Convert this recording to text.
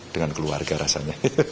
dengan keluarga rasanya